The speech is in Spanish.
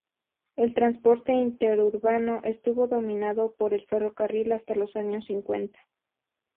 El transporte interurbano estuvo dominado por el ferrocarril hasta los años cincuenta.